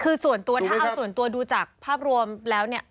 คือถ้าเอาส่วนตัวดูจากภาพรวมแล้ว